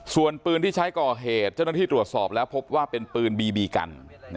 ส่วนปืนที่ใช้ก่อเหตุเจ้าหน้าที่ตรวจสอบแล้วพบว่าเป็นปืนบีบีกัน